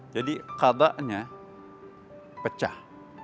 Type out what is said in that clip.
jadi kadaknya pecah